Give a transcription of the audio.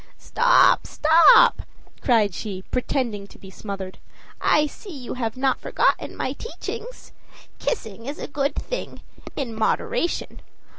"Stop, stop!" cried she, pretending to be smothered. "I see you have not forgotten my teachings. Kissing is a good thing in moderation.